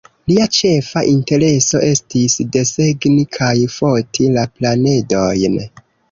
Lia ĉefa intereso estis desegni kaj foti la planedojn.